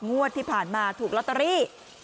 งวดที่ผ่านมาถูกลอตเตอรี่